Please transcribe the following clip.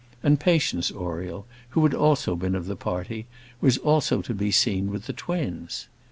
And Patience Oriel, who had also been of the party, was also to be seen with the twins.